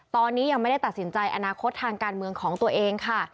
ตอนนี้ยังไม่ได้ตัดสินใจอนาคตทางการเมืองของตัวเองค่ะ